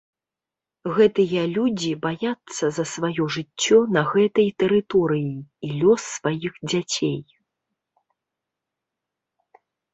Гэтыя людзі баяцца за сваё жыццё на гэтай тэрыторыі і лёс сваіх дзяцей.